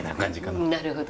なるほど。